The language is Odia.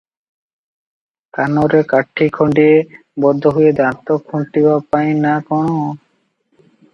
କାନରେ କାଠି ଖଣ୍ଡିଏ- ବୋଧହୁଏ ଦାନ୍ତ ଖୁଣ୍ଟିବା ପାଇଁ ନାଁ କଣ ।